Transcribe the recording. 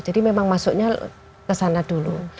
jadi memang masuknya kesana dulu